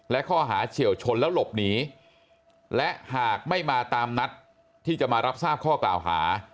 และข้อหาเฉียวชนแล้วหลบหนีและหากไม่มาตามนัดที่จะมารับทราบข้อกล่าวหา